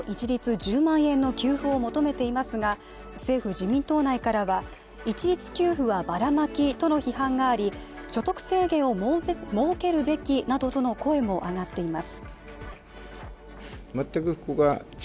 １０万円の給付を求めていますが政府自民党内からは一律給付はバラマキとの批判があり、所得制限を設けて儲けるべきなどとの声も上がっています。